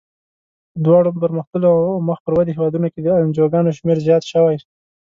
په دواړو پرمختللو او مخ پر ودې هېوادونو کې د انجوګانو شمیر زیات شوی.